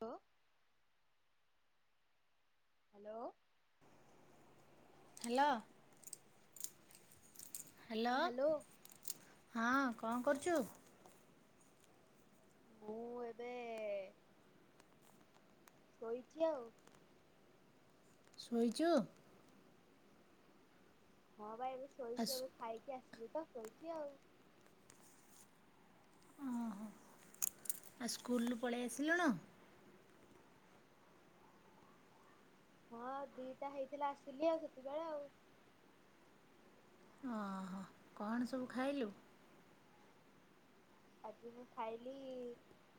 ହ। Hello. Hello. Hello, ହଁ କଣ କରୁଛୁ? ମୁଁ ଏବେ ଶୋଇଛିି ଆଉ। ଶୋଇଚୁ? ହଁ ବା ଏବେ ଆଉ ଶୋଇଛି ଏବେ ଖାଇକି ଆସିଲି ତ ଶୋଇଛି ଆଉ। ଆଉ ସ୍କୁଲରୁ ପଳେଇ ଆସିଲୁଣୁ? ହଁ ଦିଟା ହେଇଥିଲା ଆସିଲି ଆଉ ସେତବେଳେ ଆଉ। ହଁ କଣ ସବୁ ଖାଇଲୁ? ଆଜି ମୁଁ ଖାଇଲି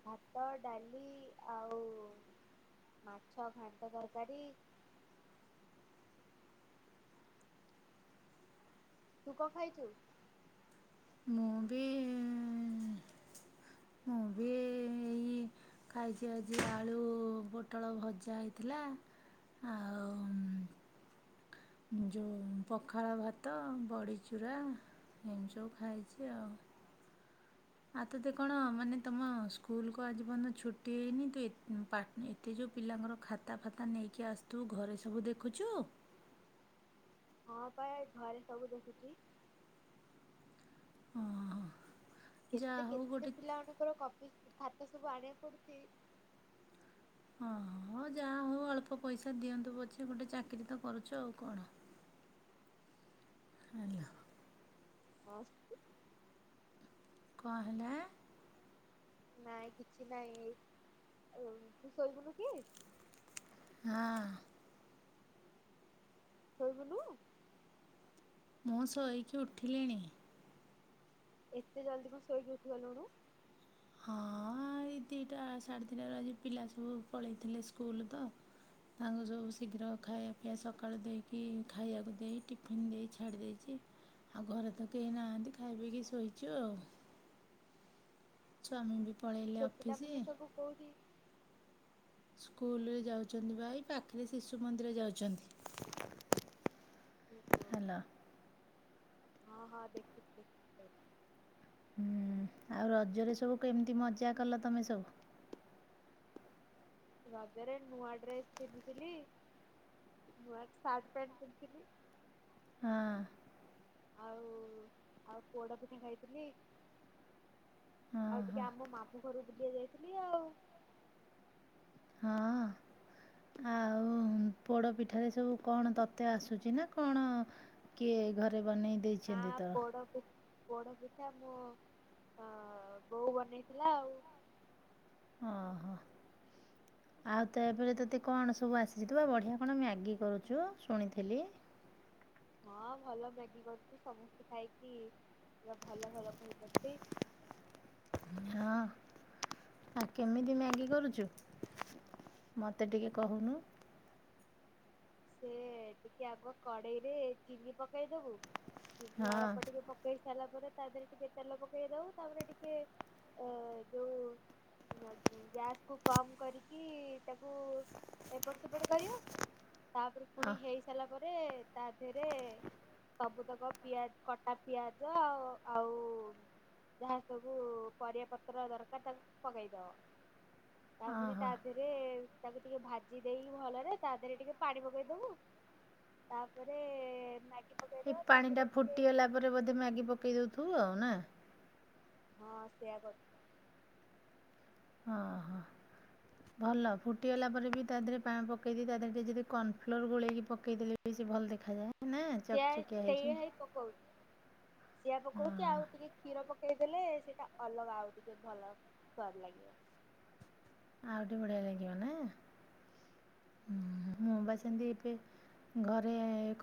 ଭାତ, ଡାଲି ଆଉ ମାଛ ଘାଣ୍ଟ ତରକାରୀ। ତୁ କଣ ଖାଇଛୁ? ମୁଁ ବି ହଁ ମୁଁ ବି ଇ ଏ ଖାଇଛି ଆଜି ଆଳୁ ପୋଟଳ ଭଜା ହେଇଥିଲା। ଆଉ ଯେଉଁ ପଖାଳ ଭାତ ବଡ଼ିଚୁରା ଏମିତି ସବୁ ଖାଇଛି ଆଉ। ଆଉ ତୋତେ କଣ ମାନେ ତମ ସ୍କୁଲକୁ ଆଜି ପର୍ଯ୍ୟନ୍ତ ଛୁଟି ହେଇନି ତୁ ଏତେ ପାଟି ଏତେ ଯେଉଁ ପିଲାଙ୍କର ଖାତା ଫାତା ନେଇକି ଆସିଥିଲୁ ଘରେ ସବୁ ଦେଖୁଛୁ? ହଁ ପା ଘରେ ସବୁ ଦେଖୁଛି। ଯାହା କେତେ ହଉ କେତେ ଗୋଟେ ପିଲା ମାନଙ୍କର କପି ଖାତା ସବୁ ଆଣିବାକୁ ପଡୁଛି? ହଁ ହଁ ଯାହା ହଉ ଅଳ୍ପ ପଇସା ଦିଅନ୍ତୁ ପଛେ ଗୋଟେ ଚାକିରୀ ତ କରୁଛୁ ଆଉ କଣ। ହାଲୋ। [unintelligible] କଣ ହେଲା? ନାଇଁ କିଛି ନାଇଁ ତୁ ଶୋଇବୁନୁ କି? ହଁ। ଶୋଇବୁନୁ? ମୁଁ ଶୋଇକି ଉଠିଲିଣି। ଏତେ ଜଲ୍ଦି କଣ ଶୋଇକି ଉଠିଗଲୁଣୁ? ହଁ ଏଇ ଦିଟା ସାଢ଼େ ଦିଟାରୁ ଆଜି ପିଲା ସବୁ ପଳେଇଥିଲେ ସ୍କୁଲ ତ। ତାଙ୍କୁ ସବୁ ଶୀଘ୍ର ଖାଇବା ପିଇବା ସକାଳୁ ଦେଇକି ଖାଇବାକୁ ଦେଇ ଟିଫିନ୍ ଦେଇ ଛାଡ଼ି ଦେଇେଇଛି। ଆଉ ଘରେ ତ କେହି ନାହାନ୍ତି ଖାଇ ପିକି ଶୋଇଛୁ ଆଉ। ସ୍ବାମୀ ବି ପଳେଇ ପୁଅ ପିଲା ମନେ ସବୁ କଉଠି? ସ୍କୁଲରେ ଯାଉଛନ୍ତି ବା ଏଇ ପାଖରେ ଶିଶୁ ମନ୍ଦିର ଯାଉଛନ୍ତି। ଓ ହୋ। ହାଲୋ। ହଁ ହଁ ଦେଖୁ ଦେଖି ପାଇଲି। [unintelligible] ହୁଁ ଆଉ ରଜରେ ସବୁ କେମିତି ମଜା କଲ ତମେ ସବୁ? ରଜରେ ନୂଆ ଡ୍ରେସ୍ ପିନ୍ଧିଥିଲି ନୂଆ ସାର୍ଟ ପ୍ୟାଣ୍ଟ ପିନ୍ଧିଥିଲି। ହଁ। ଆଉ ଆଉ ପୋଡ଼ ପିଠା ଖାଇଥିଲି। ହଁ ଆଉ ହଁ ଟିକେ ଆମ ମାମୁ ଘରକୁ ବୁଲିବାକୁ ଯାଇଥିଲି ଆଉ। ହଁ। ଆଉ ପୋଡ ପିଠାରେ ସବୁ କଣ ତତେ ଆସୁଛି ନା କଣ କିଏ ଘରେ ବନେଇ ଦେଇ ହଁ ପୋଡ଼ ପିଠା ପୋଡ଼ ପିଠା ମୋ ଅ ବୋଉ ବନେଇଥିଲା ଆଉ। ଓହୋ ଆଉ ତା ପରେ ତତେ କଣ ସବୁ ଆସିଛି ତୁ ବଢିଆ କଣ ମ୍ୟାଗି କରୁଛୁ ଶୁଣିଥିଲି। ହଁ ଭଲ ମ୍ୟାଗି କରଛିୁ ସମସ୍ତେ ଖାଇକି ପୁରା ଭଲ ଭଲ କହୁଛନ୍ତି। ହଁ ଆଉ କେମିତି ମ୍ୟାଗି କରୁଛୁ ମତେ ଟିକେ କହୁନୁ। ସେ ଟିକେ ଆଗ କଡ଼େଇରେ ଚିନି ପକେଇଦବୁ ଚିନି ହଁ ଅଳପ ଟିକେ ପ କେଇ ସାରିଲା ପରେ ତା ଦେହରେ ଟିକେ ତେଲ ପକେଇ ଦବୁ ତାପରେ ଟିକେ ଅ ଯୋଉ ଜ୍ଞ [unintelligible] ଗ୍ୟାସ କୁ କମ୍ କରିକି ତାକୁ ଏପଟ ସେପଟ କରିବ। ତାପରେ ପୁଣି ହେଇ ସାରିଲା ପରେ ତା ଦେହରେ ସବୁ ତକ ପିଆଜ କଟା ପିଆଜ ଆଉ ଆଉ ଯାହା ସବୁ ପରିବା ପତ୍ର ଦରକାର ତାକୁ ସବୁ ପକେଇ ଦବ। ତା ପୁଣି ତା ଓହୋ ଦେହରେ ତାକୁ ଟିକେ ଭାଜି ଦେଇକି ଭଲରେ ତା ଦେହରେ ଟିକେ ପାଣି ପକେଇ ଦେବୁ ତାପରେ ମ୍ୟାଗି ଏଇ ପକେଇଦବା ପାଣିଟା ତାପରେ ଟିକେ ଫୁଟିଗଲା ପରେ ବୋଧେ ମ୍ୟାଗି ପକେଇ ଦେଉଥିବୁ ଆଉ ନା। ହଁ ସେଇୟା କର। ଓହୋ ଭଲ ଫୁଟିଗଲା ପରେ ବି ତା ଦେହରେ ପାଣି ପକେଇ ଦେଇି ତା ଦେହ ଟିକେ ଯଦି କର୍ଣ୍ଣଫ୍ଲୋର ଗୋଳେଇକି ପକେଇ ଦେଲେ ବି ସେ ଭଲ ଦେଖାଯାଏ। ନା ସେଆ ଚକଚକିଆ ହେଇକି ସେଇଆ ହେଇ ପକଉଛି ସିଆ ପକଉଛି ହଁ ଆଉ ଟିକେ କ୍ଷୀର ପକେଇ ହେଲେ ସେଇଟା ଅଲଗା ଆଉ ଟିକ ଭଲ ସର୍ ଲାଗିବ। ଆଉ ଟିକେ ବଢିଆ ଲାଗିବ ନା ମୁଁ ପା ସେମିତି ଏବେ ଘରେ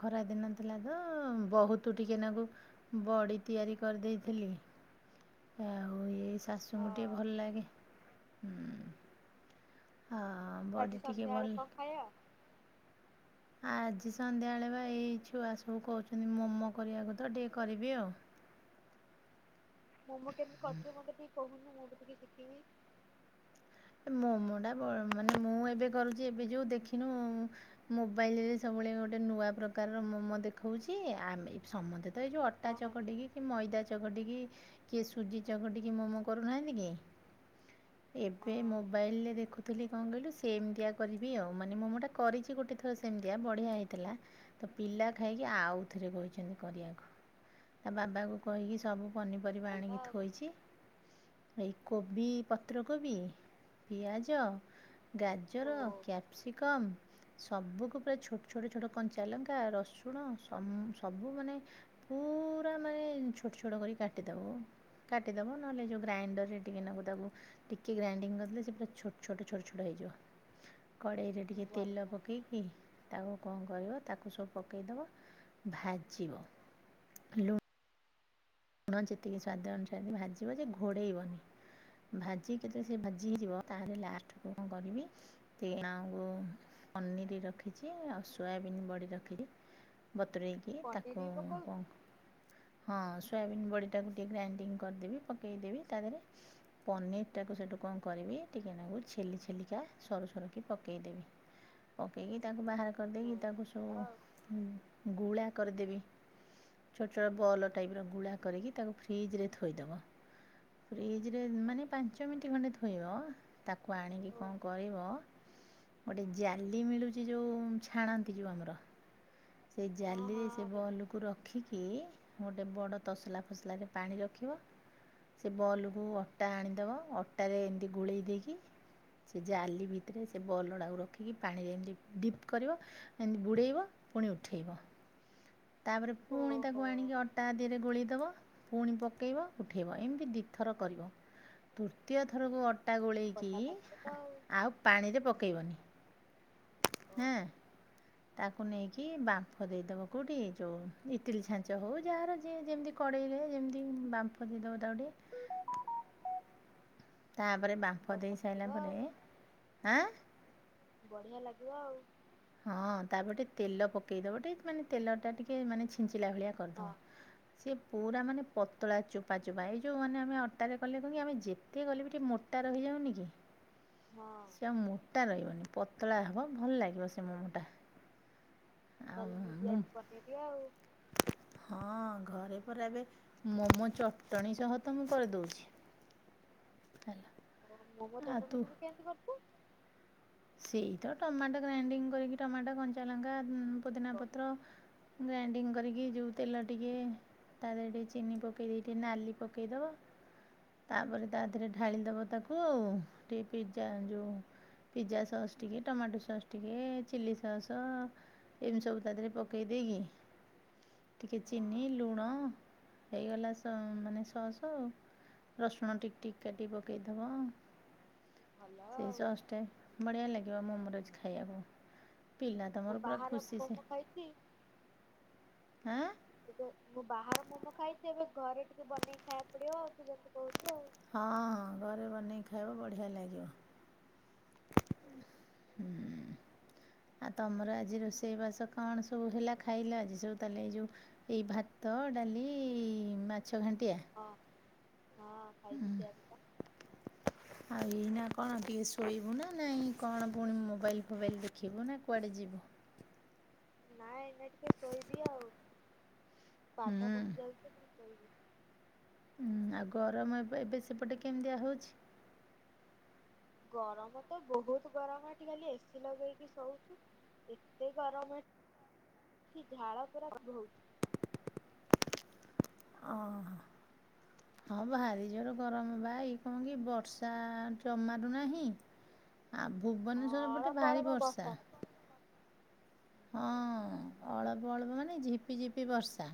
ଖରାଦିନ ଥିଲା ତ ବହୁତ ଟିକେ ନାଗୁ ବଡ଼ି ତିଆରି କରିଦେଇଥିଲି। ଆଉ ଏଇ ଶାଶୁଙ୍କୁ ଟିକେ ହଁ ଭଲ ଲାଗେ ହୁଁ। ହଁ। ବଡ଼ି ଆଜି ଟିକେ ଭଲ ସନ୍ଧ୍ୟାବେଳେ କଣ ଖାଇବା? ଆଜି ସନ୍ଧ୍ୟାବେଳେ ବା ଏଇ ଛୁଆ ସବୁ କହୁଛନ୍ତି ମୋମୋ କରିବାକୁ ତ ଟିକେ କରିବି ଆଉ। ମୋମୋ କେମିତି କରିଛ ମତେ ଟିକ କହୁନ ମୁଁ ବି ଟିକେ ଶିଖିବି। ମୋମ ଟା ବ ମାନେ ମୁଁ ଏବେ କରୁଛି ଏବେ ଯୋଉ ଦେଖିନୁ ମୋବାଇଲରେ ସବୁବେଳେ ଗୋଟେ ନୂଆ ପ୍ରକାରର ମୋମୋ ଦେଖଉଛି ଆମେ ସମସ୍ତେ ଏ ଯେଉଁ ଅଟା ହଁ ହଁ ଦେଖି ଚକଟିକି କି ମଇଦା ଚକଟିକି କିଏ ସୁଜି ଚକଟିକି ମୋମୋ କରୁନାହାନ୍ତି କି। ଏ ବେ ହଁ ମୋବାଇଲରେ ଦେଖୁଥିଲି କଣ କହିଲୁ ସେମତିଆ କରିବି ଆଉ ମାନେ ମୁଁ ମୁଁଟା କରିଛି ଗୋଟେ ଥର ସେମିତିଆ ବଢିଆ ହେଇଥିଲା ତ ପିଲା ଖାଇକି ଆଉଥରେ କହିଛନ୍ତି କରିବାକୁ। ତା ବାବାକୁ କହିକି ସବୁ ପନିପରିବା ଭଲ ଆଣିକି ଆଉ ଥୋଇଛି ଏଇ କୋବି ପତ୍ରକୋବି। ପିଆଜ ଓ ଗାଜର କ୍ୟାପ୍ସିକମ୍। ସବୁକୁ ପୁରା ଛୋଟ ଛୋଟ ଛୋଟ କଞ୍ଚାଲଙ୍କା ରସୁଣ ସବୁ ମାନେ ପୁରା ମାନେ ଛୋଟ ଛୋଟ କରି କାଟିଦବ। କାଟିଦେବ ନହେଲେ ଯୋଉ ଗ୍ରାଇଣ୍ଡର ରେ ଟିକେ ତାକୁ ଟିକେ ଗ୍ରାଇ ଲେ ସେ ପୁରା ଛୋଟ ଛୋଟ ଛୋଟ ଛୋଟ ହେଇଯିବ କଡେଇରେ ଟିକେ ଭଲ ତେଲ ପକେଇକି ତାକୁ କଣ କରିବ ତାକୁ ସବୁ ପକେଇଦବ ଭାଜିବ ଲୁ ଲୁଣ ଯେତିକି ସ୍ଵାଦ ଅନୁସାରେ ଭାଜିବ ଯେ ଘୋଡ଼େଇବନି। ଭାଜିକି ଯେତେବେଳେ ସେ ଭାଜି ହେଇଯିବ ତାହେଲେ ଲାଷ୍ଟ କୁ କଣ କରିବି? କୁ ପନିର ରଖିଛି ଆଉ ସୋୟାବିନ୍ ବଢି ରଖିଛି। ବତୁରେଇକି ପନିର ତାକୁ ବି ପକଉଛୁ କଣ ହଁ। ସୋୟାବିନ୍ ବଡ଼ିଟାକୁ ଟିକିଏ ଗ୍ରାଇଣ୍ଡିଙ୍ଗ କରିଦେବି ପକେଇଦେବି ତାଦେହେରେ। ପନିର ଟାକୁ ସେଠୁ କଣ କରିବି ଟିକେ ନାକୁ ଛେଲି ଛେଲିକା ସରୁ ସରୁ କିି ପକେଇଦେବି। ପକେଇକି ତାକୁ ବାହାର ଓ କରିଦେଇକି ତାକୁ ସୁ। ଭଲ ଆଉ। ଗୁଳା କରିଦେବି ଛୋଟ ଛୋଟ ବଲ ଟାଇପ ର। ଗୁଳା କରିକି ତାକୁ ଫ୍ରିଜରେ ଥୋଇଦବ ଫ୍ରିଜରେ ମାନେ ପାଞ୍ଚ ମିନିଟ୍ ଖଣ୍ଡେ ଥୋଇବ ତାକୁ ଆଣିକି ଓ କଣ କରିବ। ଗୋଟେ ଜାଲି ମିଳୁଚି ଯୋଉ ଛାଣନ୍ତି ଯୋଉ ଆମର। ସେଇ ହଁ ହଁ ଜାଲିରେ ସେ ହଁ ଦେଖିଛି ବଲକୁ ରଖିକି ଗୋଟେ ବଡ଼ ତସଲା ଫସଲାରେ ପାଣି ରଖିବ ସେ ବଲକୁ ଅଟା ଆଣିଦେବ ଅଟାରେ ଏମିତି ଗୋଳେଇ ଦେଇକି ସେ ଜାଲି ଭିତରେ ସେ ବଲଡ଼ାକୁ ରଖିକି ପାଣିରେ ଏମିତି ଡିପ୍ କରିବ ଏମିତି ବୁଡେଇବ ଫୁଣି ଉଠେଇବ। ତାପରେ ପୁଣି ଓହୋ ତାକୁ ଆଣିକି ଅଟା ଦବ ପୁଣି ପକେଇବ ଉଠେଇ ଏମିତି ଦିଥର କରିବ ତୃତୀୟ ଥରକୁ ଅଟା ଗୋଳେଇକି ବଢିଆ ଲାଗିବ ତ ଆଉ ପାଣିରେ ପକେଇବନି। ହେଁ। ଆଉ। ତାକୁ ନେଇକି ବାମ୍ଫ ଦେଇଦବ କୋଉଠି ଯୋଉ ଇଟିଲ ଛାଞ୍ଚ ହଉ ଯାହାର ଯିଏ ଯେମିତି କଡ଼େଇରେ ଯେମିତି ବାମ୍ଫ ଦେଇଦବ ତାକୁ ଟିକେ ତାପରେ ବାମ୍ପ ଓହୋ ଦେଇ ସାରିଲା ବଢିଆ ଲାଗିବ ପରେ ଆଁ ବଢ଼ିଆ ଲାଗିବ ଆଉ। ହଁ ତାପରେ ଟିକେ ତେଲ ପକେଇଦବ ଟିକେ ମାନେ ତେଲ ଟା ଟିକେ ମାନେ ଛିଞ୍ଚିଲା ଭଳିଆ ହଁ କରିଦବ। ସେ ପୁରା ମାନେ ପତଳା ଚୋପା ଚୋପା ଏଇ ଯୋଉ ମାନେ ଆମେ ଅଟାରେ କଲେ କଣକି ଆମେ ଯେ ଟିକେ କଲେ ବି ଟିକେ ମୋଟା ରହିଯାଉନି କି। ହଁ। ସେ ମୋଟା ରଇବନି ପତଳା ହବ ଭଲ ଲାଗିବ ସେ ମୋମୋଟା। କାଲି ମୁଁ [inaudible] ବନେଇବି ଆଉ। ହଁ ଘରେ ପରା ଏବେ ମୋମୋ ଚଟଣି ସହ ତ ମୁଁ କରିଦଉଛି। ହେଲା। ମୋମୋ ଆଉ ଚଟଣି ତୁ ପୁଣି କେମିତି କରୁଚୁ। ସେଇ ତ ଟମାଟୋ ଗ୍ରାଇଣ୍ଡିଙ୍ଗ କରିକି ଟମାଟୋ କଞ୍ଚା ଲଙ୍କା ପୁଦିନା ହଁ ପତ୍ର ଗ୍ରାଇଣ୍ଡିଙ୍ଗ କରିକି ଯୋଉ ତେଲ ଟିକେ ତା ଦେରେ ଟିକେ ଚିନି ପକେଇ ଦେଇ ଟିକେ ନାଲି ପକେଇଦବ। ତାପରେ ତା ଦେରେ ଢାଳିଦବ ତାକୁ ଆଉ ଟିକେ ପିଜ୍ଜା ଯୋଉ। ପିଜା ସସ୍ ଟିକେ ଟମାଟୋ ସସ୍ ଟିକେ ଚିଲ୍ଲି ସସ୍ ଏମିତି ସବୁ ତା ଦେହରେ ପକେଇ ଦେଇକି ଟିକେ ଚିନି ଲୁଣ ହେଇଗଲା ମାନେ ସସ୍ ଆଉ। ରସୁଣ ଟିକ ଟିକ କାଟିିକି ପକେଇଦବ। ଭଲ ସେଇ ଆଉ ସସ୍ ଟେ ବଢିଆ ଲାଗିବ ମୋମରୋଜ ଖାଇବାକୁ। ପିଲା ତ ମୁଁ ମୋର ପୁରା ବାହାର ଖୁସି ସେ ମୋମୋ ଖାଇଛି। ହାଁ। ଟିକେ ମୁଁ ବାହାରେ ମମ ଖାଇଛି ଏବେ ଘରେ ଟିକେ ବନେଇକି ଖାଇବାକୁ ପଡିବ ଆଉ ତୁ ଯେମିତି କହୁଛୁ ଆଉ। ହଁ ଘରେ ବନେଇକି ଖାଇବ ବଢ଼ିଆ ଲାଗିବ। ହୁଁ। [unintelligible] ଆଉ ତମର ଆଜି ରୋଷେଇବାସ କଣ ସବୁ ହେଲା ଖାଇଲା ଆଜି ସବୁ ତାହେଲେ ଏଇ ଯୋଉ। ଏଇ ଭାତ ଡାଲି ମାଛ ଘାଣ୍ଟିଆ ହଁ ହଁ ଖାଇଛିି ସେଇଆ ପରା। ଆଉ ଏଇ ନା କଣ ଟିକେ ଶୋଇବୁ ନା ନାଇଁ କଣ ପୁଣି ମୋବାଇଲ ଫୋବାଇଲ ଦେଖିବୁ ନା କୁଆଡେ ଯିବୁ। ନାଇଁ ଏଇନା ଟିକେ ଶୋଇବି ଆଉ ବାଧା ହୁଁ ପଶିଯାଉଛି ଟିକେ ଶୋଇବି। ଉୁଁ ଆଉ ଗରମ ଏବେ ଏବେ ସେପଟେ କେମିତିଆ ହଉଛି। ଗରମ ତ ବହୁତ ଗରମ ଏଠି ଖାଲି ଏସିି ଲଗେଇକି ଶଉଛୁ। ଏତେ ଗରମ ଝାଳ ପୁରା ବହୁତ ହଉଛି। ଓ [inaudible] ହଁ ଭାରି ଜୋର ଗରମ ବା ଇଏ କଣ କି ବର୍ଷା ଜମାରୁ ନାହିଁ। ଆଉ ହଁ ଭୁବନେଶ୍ଵର ପଟେ ଅଳପ ଭାରି ଅଳପ ବର୍ଷା। ହଉଛି। ହଁ ଅଳ୍ପ ଅଳ୍ପ ମାନେ ଝିପି ଝିପି ବର୍ଷା।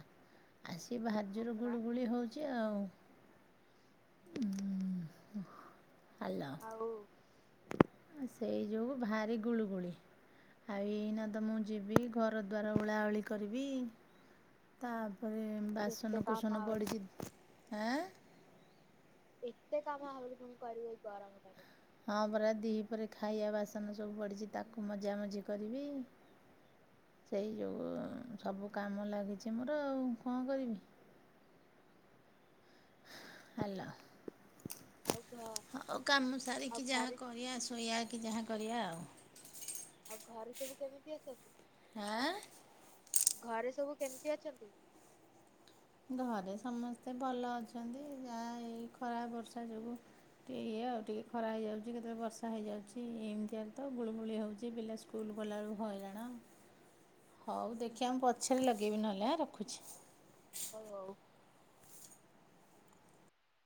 ଆ ସିିଏ ହଁ ଭାରିଯୋରେ ପରା ଗୁଳିୁ ଗୁଳି ହଉଛି। ଚି ଆଉ ହାଲ ଆଉ ସେଇ ଯୋଗୁଁ ଭାରି ଗୁଳୁଗୁଳି ଆଉ ଏଇନା ତ ମୁଁ ଯିବି ଘର ଦ୍ୱାର ଓଳାଓଳି କରିବି। ତାପରେ କେତେ ବାସନ କାମ କୁସନ ଆହୁରି ପଡିଛି ଆଁ ଏତେ କାମ ଆହୁରି ପୁଣି କରିବ ଏଇ ଗରମ ଟାରେ। ହଁ ପରା ଦିହି ପରେ ଖାଇବା ବାସନ ସବୁ ପଡ଼ିଛି ତାକୁ ମଜା ମଜି କରିବି। ସେଇ ଯୋଗୁଁ ସବୁ କାମ ଲାଗିଛି ମୋର ଆଉ କଣ କରିବି। ହାଲ ଆଉ ଘ ହଉ କାମ ଆଉ ସାରିକି ଯାହା ଘରେ କରିବା ଶୋଇବା କି ଯାହା କରିବା ଆଉ। ଆଉ ଘରେ ସବୁ କେମିତି ଅଛନ୍ତି। ହାଁ ଘରେ ସବୁ କେମିତି ଅଛନ୍ତି। ଘରେ ସମସ୍ତେ ଭଲ ଅଛନ୍ତି ଯାହା ଏଇ ଖରା ବର୍ଷା ଯୋଗୁ ଏଇଆ ଆଉ ଟିକିଏ ଖରା ହେଇଯାଉଛି କେତେବେଳେ ବର୍ଷା ହେଇଯାଉଛି ଏମତିଆତ ଗୁଳୁଗୁଳି ହେଉଛି ପିଲା ସ୍କୁଲ୍ ଗଲାବେଳକୁ ହଇରାଣ ହଉ ଦେଖିବା ମୁଁ ପଛରେ ଲଗେଇବି ନହେଲେ ଆ ରଖୁଛି। ହଉ ହଉ।